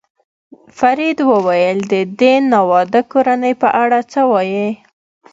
فرید وویل: د دې ناواده کورنۍ په اړه څه وایې؟